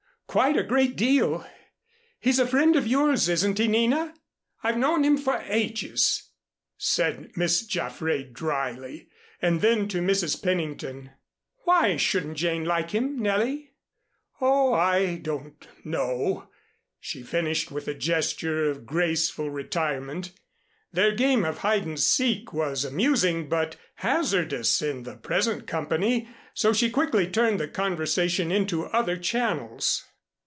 Quite a great deal. He's a friend of yours, isn't he, Nina?" "I've known him for ages," said Miss Jaffray dryly; and then to Mrs. Pennington, "Why shouldn't Jane like him, Nellie?" "Oh, I don't know," she finished with a gesture of graceful retirement. Their game of hide and seek was amusing, but hazardous in the present company, so she quickly turned the conversation into other channels.